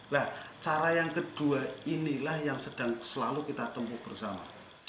nah cara yang kedua inilah yang sedang selalu kita tempuh bersama